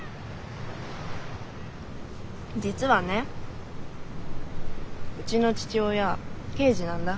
実はねうちの父親刑事なんだ。